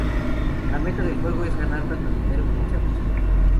La meta del juego es ganar tanto dinero como sea posible.